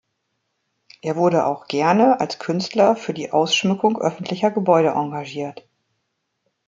Er wurde auch gerne als Künstler für die Ausschmückung öffentlicher Gebäude engagiert.